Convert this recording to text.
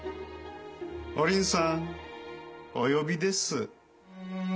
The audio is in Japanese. おりんさんお呼びです。